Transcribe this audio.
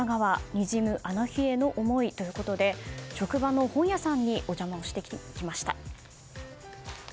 にじむあの日への思いということで職場の本屋さんにお邪魔をしてきました。